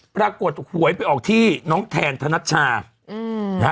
ปรากฏหวยไปออกที่น้องแทนธนชาติ